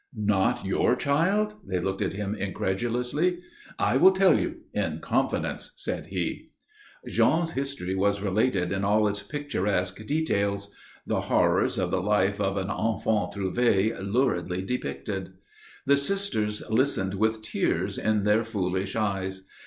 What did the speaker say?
"Not your child?" They looked at him incredulously. "I will tell you in confidence," said he. Jean's history was related in all its picturesque details; the horrors of the life of an enfant trouvé luridly depicted. The sisters listened with tears in their foolish eyes.